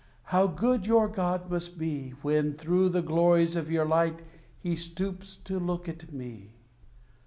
how good your God must be, When, through the glories of your light, He stoops to look at me!